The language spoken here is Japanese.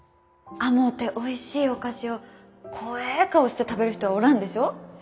甘うておいしいお菓子を怖え顔して食べる人はおらんでしょう。